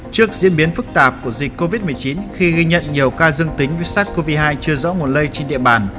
trước diễn biến phức tạp của dịch covid một mươi chín khi ghi nhận nhiều ca dương tính với sars cov hai chưa rõ nguồn lây trên địa bàn